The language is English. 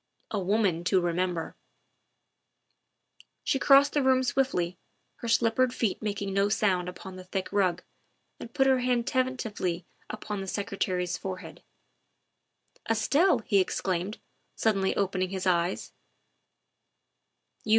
A woman to remember ! She crossed the room swiftly, her slippered feet making no sound upon the thick rug, and put her hand tentatively upon the Secretary's forehead. " Estelle!" he exclaimed, suddenly opening his eyes.